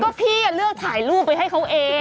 ก็พี่เลือกถ่ายรูปไปให้เขาเอง